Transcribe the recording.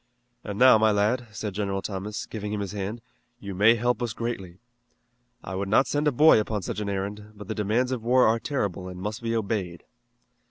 "And now, my lad," said General Thomas, giving him his hand, "you may help us greatly. I would not send a boy upon such an errand, but the demands of war are terrible and must be obeyed."